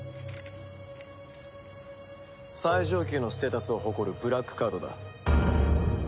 最上級のステータスを誇るブラックカードだ。